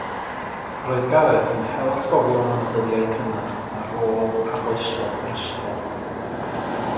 Roedd Gareth yn hel atgofion am y dyddiau cynnar a rôl arloesol yr ysgol.